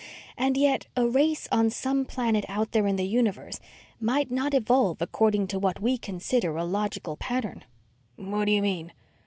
And yet, a race on some planet out there in the universe might not evolve according to what we consider a logical pattern." "What do you mean?"